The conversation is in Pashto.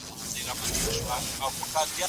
دولتونه د نړیوالو معیارونو سره سم فعالیت کوي.